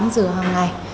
sửa hằng ngày